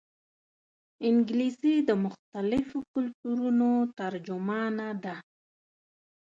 انګلیسي د مختلفو کلتورونو ترجمانه ده